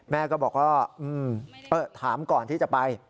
แม่ก็บอกว่าถามก่อนที่จะไป